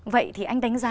vậy thì anh đánh giá